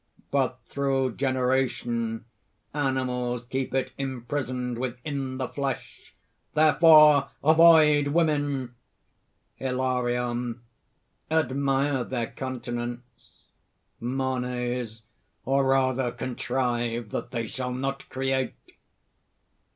But through generation, animals keep it imprisoned within the flesh! Therefore, avoid women!" HILARION. "Admire their continence." MANES. "Or rather contrive that they shall not create..............